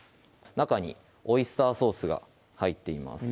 中にオイスターソースが入っています